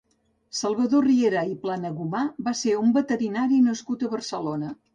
Salvador Riera i Planagumà va ser un veterinari nascut a Barcelona.